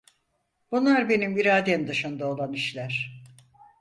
Bunlar benim iradem dışında olan işler.